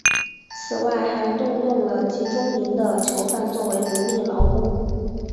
此外还动用了集中营的囚犯作为奴隶劳工。